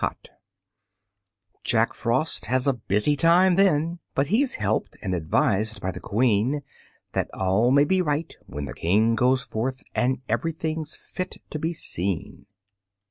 Jack Frost has a busy time then, But he's helped and advised by the Queen, That all may be right when the King goes forth, And everything fit to be seen.